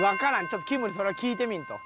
ちょっときむにそれは聞いてみんと。